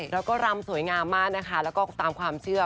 แล้วก็รำสวยงามมากนะคะแล้วก็ตามความเชื่อ